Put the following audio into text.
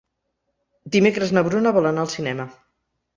Dimecres na Bruna vol anar al cinema.